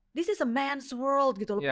ini adalah dunia manusia gitu loh